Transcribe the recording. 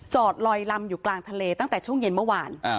ลอยลำอยู่กลางทะเลตั้งแต่ช่วงเย็นเมื่อวาน